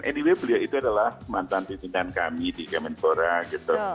anyway beliau itu adalah mantan pimpinan kami di kemenpora gitu